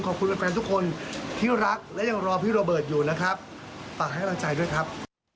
ขอบคุณแฟนทุกคนที่รักและยังรอพี่โรเบิร์ตอยู่นะครับฝากให้กำลังใจด้วยครับ